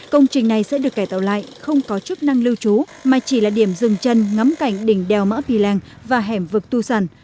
công trình này sẽ được cải tạo lại không có chức năng lưu trú mà chỉ là điểm dừng chân ngắm cảnh đỉnh đèo mã pì lèng và hẻm vực tu sản